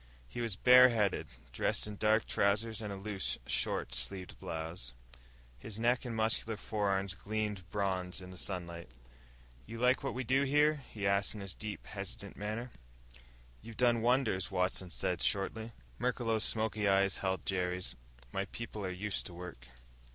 He was bare headed, dressed in dark trousers and a loose, short sleeved blouse. His neck and muscular forearms gleamed bronze in the sunlight. "You like what we do here?" he asked in his deep, hesitant manner. "You've done wonders," Watson said shortly. Merklos' smoky eyes held Jerry's. "My people are used to work."